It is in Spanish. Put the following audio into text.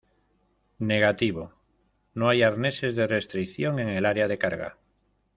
Negativo. No hay arneses de restricción en el área de carga .